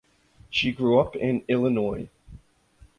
She grew up in Illinois.